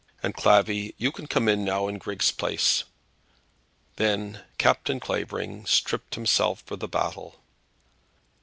And, Clavvy, you can come in now in Griggs' place." Then Captain Clavering stripped himself for the battle.